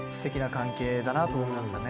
だなと思いましたね。